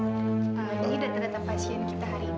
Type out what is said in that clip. dari data data pasien kita hari ini